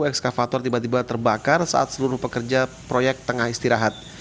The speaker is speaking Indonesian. ekskavator tiba tiba terbakar saat seluruh pekerja proyek tengah istirahat